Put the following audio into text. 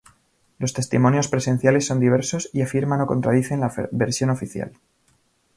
Los testimonios presenciales son diversos, y afirman o contradicen la versión oficial.